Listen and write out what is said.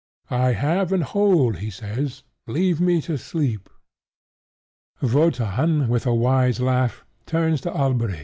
"I have and hold," he says: "leave me to sleep." Wotan, with a wise laugh, turns to Alberic.